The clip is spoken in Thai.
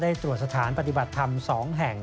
ตรวจสถานปฏิบัติธรรม๒แห่ง